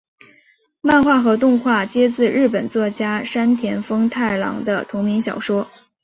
漫画和动画皆自日本作家山田风太郎的同名小说。